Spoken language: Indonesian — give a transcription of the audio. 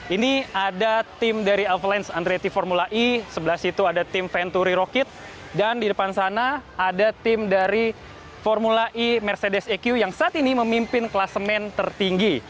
ini ada tim dari alfelens andrety formula e sebelah situ ada tim venturi rocket dan di depan sana ada tim dari formula e mercedes eq yang saat ini memimpin kelasemen tertinggi